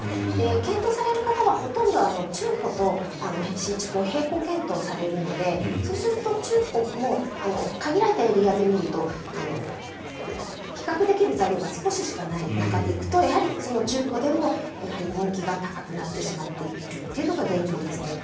検討される方は、ほとんど中古と新築を並行検討されるのでそうすると中古も限られたエリアで見ると比較できる材料が少ししかない中で行くとやはり中古でも人気が高くなってしまっているというのが現状ですね。